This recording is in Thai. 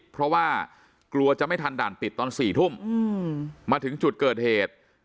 เพราะว่ากลัวจะไม่ทันด่านปิดตอน๔ทุ่มมาถึงจุดเกิดเหตุ